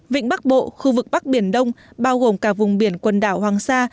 vịnh bắc bộ khu vực bắc biển đông bao gồm cả vùng biển quần đảo hoàng sa